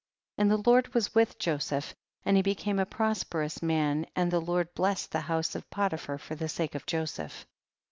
12. And the Lord was with Joseph and he became a prosperous man, and the Lord blessed the house of Polipliar for the sake of Joseph.